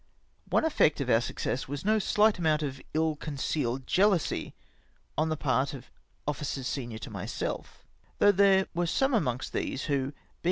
One effect of our success was no shght amount of ill concealed jealousy on the part of officers senior to my self, though there were some amongst these who, being THE SPEJ^DY SEXT TO ALGIERS.